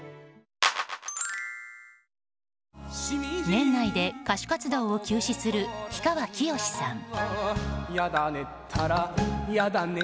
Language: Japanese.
年内で歌手活動を休止する氷川きよしさん。